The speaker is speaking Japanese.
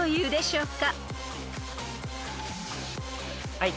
はい。